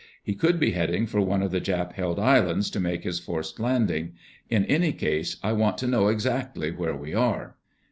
He could be heading for one of the Jap held islands to make his forced landing. In any case, I want to know exactly where we are."